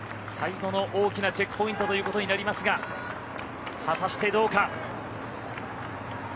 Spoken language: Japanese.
最後の大きなチェックポイントということになりますが果たしてどうか。